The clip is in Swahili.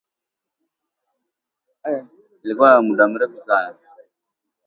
Eamon Gilmore alisema ameelezea wasi-wasi wa umoja huo.